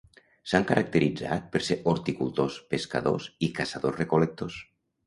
S’han caracteritzat per ser horticultors, pescadors i caçadors-recol·lectors.